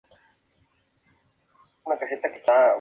Finalmente, Schwartz se convirtió en director ejecutivo de Lighthouse.